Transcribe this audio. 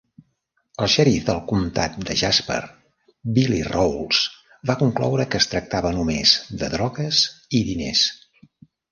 El xerif del comtat de Jasper, Billy Rowles, va concloure que es tractava només de drogues i diners.